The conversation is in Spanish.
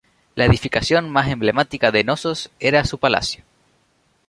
La edificación más emblemática de Cnosos era su palacio.